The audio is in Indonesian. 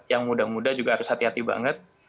yang muda muda juga harus hati hati banget